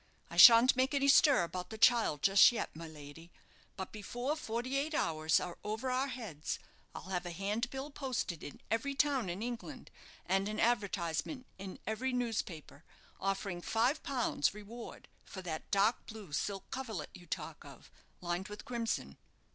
I shan't make any stir about the child just yet, my lady: but before forty eight hours are over our heads, I'll have a handbill posted in every town in England, and an advertisement in every newspaper, offering five pounds reward for that dark blue silk coverlet you talk of, lined with crimson."